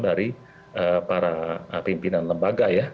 dari para pimpinan lembaga ya